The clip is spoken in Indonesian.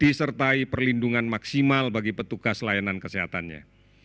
disertai perlindungan maksimal bagi petugas layanan kesehatannya